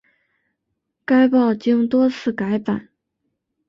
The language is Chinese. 该报经多次改版。